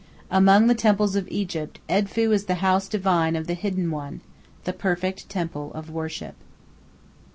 Among the temples of Egypt, Edfu is the house divine of "the Hidden One," the perfect temple of worship.